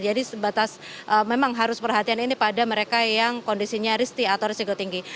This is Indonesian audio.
jadi sebatas memang harus perhatian ini pada mereka yang kondisinya risti atau resiko tinggi